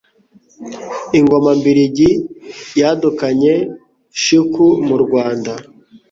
Ingoma Mbiligi yadukanye shiku mu Rwanda